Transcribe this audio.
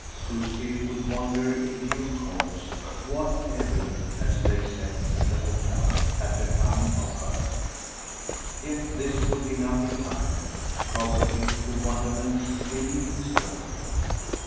Susie would wonder in due course "whatever," as they said at the hotel, had become of her; yet this would be nothing either, probably, to wonderments still in store.